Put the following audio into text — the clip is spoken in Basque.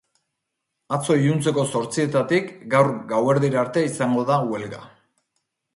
Atzo iluntzeko zortzietatik gaur gauerdira arte izango da huelga.